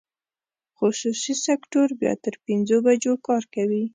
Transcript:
خصوصي سکټور بیا تر پنځو بجو کار کوي.